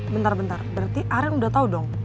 bentar bentar berarti aren udah tau dong